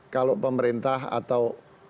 kalau pemerintah atau